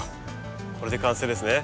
これで完成ですね。